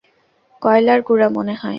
কয়লার গুড়া মনেহয়।